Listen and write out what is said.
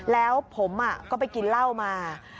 แล้วผมก็ไปกินเหล้ามา